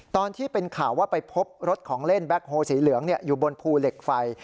ตอนที่เป็นข่าวว่าไปพบรถของเล่นแบ็คโฮสีเหลืองอยู่บนภูเหล็กไฟ